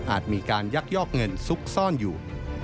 มีการยักยอกเงินซุกซ่อนอยู่